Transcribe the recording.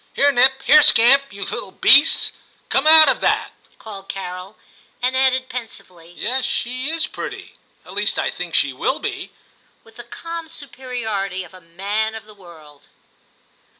* Here, Nip; here, Scamp, you little beasts! come out of that !' called Carol, and added pensively, * Yes, she is pretty ; at least I think she will be,' with the calm superiority of a man of the world.